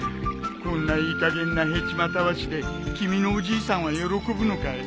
こんないいかげんなヘチマたわしで君のおじいさんは喜ぶのかい？